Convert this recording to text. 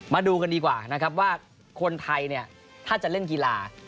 มาดูกันดีกว่านะครับว่าคนไทยเนี่ยถ้าจะเล่นกีฬา